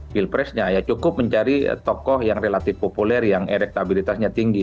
pilpresnya ya cukup mencari tokoh yang relatif populer yang elektabilitasnya tinggi